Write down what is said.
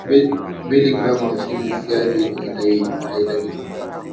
mbili gram hamsini siagi itahitajika